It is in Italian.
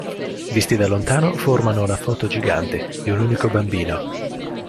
Visti da lontano, formano la foto gigante di un unico bambino.